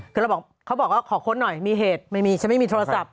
คือเราบอกเขาบอกว่าขอค้นหน่อยมีเหตุไม่มีฉันไม่มีโทรศัพท์